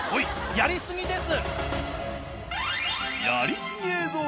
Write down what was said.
やりすぎです！